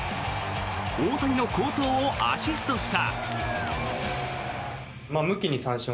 大谷の好投をアシストした。